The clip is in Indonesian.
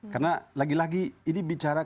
karena lagi lagi ini bicara